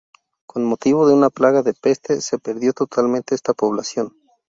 Con motivo de una plaga de peste se perdió totalmente esta población.